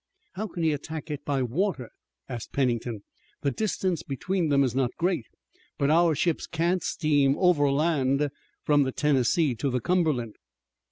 "How can he attack it by water?" asked Pennington. "The distance between them is not great, but our ships can't steam overland from the Tennessee to the Cumberland."